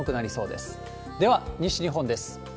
では、西日本です。